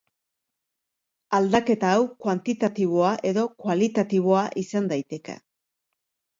Aldaketa hau kuantitatiboa edo kualitatiboa izan daiteke.